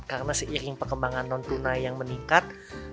karena seiring perkembangan non tunai yang meningkat